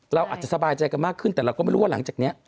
เราอาจจะสบายใจกันมากขึ้นแต่เราก็ไม่รู้ว่าหลังจากนี้